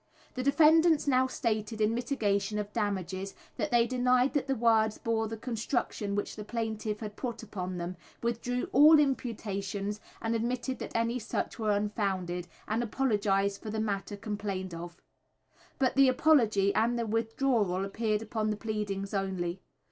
The defendants now stated in mitigation of damages that they denied that the words bore the construction which the plaintiff had put upon them, withdrew all imputations, and admitted that any such were unfounded, and apologised for the matter complained of. But the apology and the withdrawal appeared upon the pleadings only.